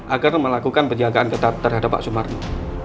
agar melakukan penjagaan ketat terhadap pak sumarno